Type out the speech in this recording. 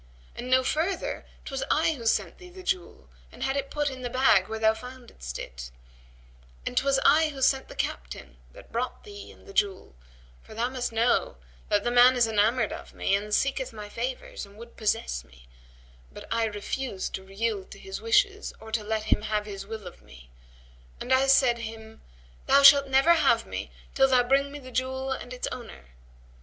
And know further 'twas I who sent thee the jewel and had it put in the bag where thou foundest it, and 'twas I who sent the captain that brought thee and the jewel; for thou must know that the man is enamoured of me and seeketh my favours and would possess me; but I refused to yield to his wishes or let him have his will of me; and I said him, 'Thou shalt never have me till thou bring me the jewel and its owner.'